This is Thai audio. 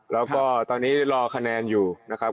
แล้วก็ตอนนี้รอคะแนนอยู่นะครับ